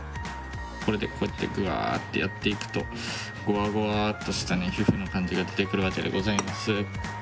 これでこうやってぐわってやっていくとゴワゴワっとしたね皮膚の感じが出てくるわけでございます。